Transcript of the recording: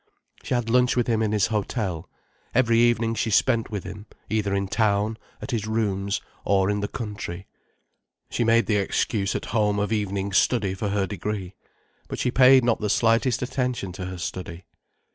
She had lunch with him in his hotel; every evening she spent with him, either in town, at his rooms, or in the country. She made the excuse at home of evening study for her degree. But she paid not the slightest attention to her study.